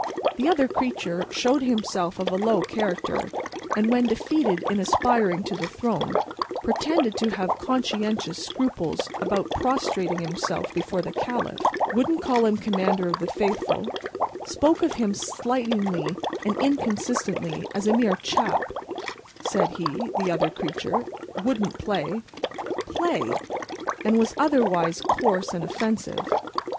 The other creature showed himself of a low character, and, when defeated in aspiring to the throne, pretended to have conscientious scruples about prostrating himself before the Caliph; wouldn't call him Commander of the Faithful; spoke of him slightingly and inconsistently as a mere "chap;" said he, the other creature, "wouldn't play"—Play!—and was otherwise coarse and offensive.